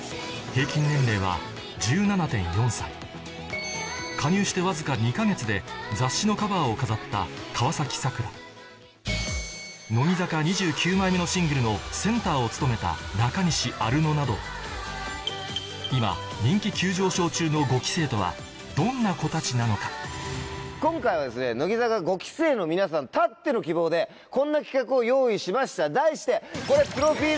平均年齢は１７．４歳加入してわずか２か月で雑誌のカバーを飾った乃木坂２９枚目のシングルのセンターを務めた今人気急上昇中の５期生とはどんな子たちなのか今回は乃木坂５期生の皆さんたっての希望でこんな企画を用意しました題して。